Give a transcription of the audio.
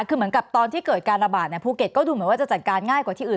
คือเหมือนกับตอนที่เกิดการระบาดภูเก็ตก็ดูเหมือนว่าจะจัดการง่ายกว่าที่อื่น